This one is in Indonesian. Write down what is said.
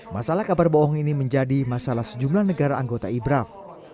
masalah kabar bohong ini menjadi masalah sejumlah negara anggota ibraf